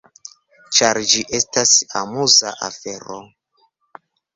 Ĉar ĝi estas amuza afero.